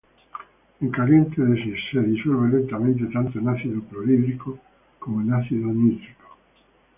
En caliente, se disuelve lentamente tanto en ácido clorhídrico como en ácido nítrico.